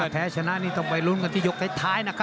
แตะชนะนี้ต้องไปรุ้นกันที่ยกท้าย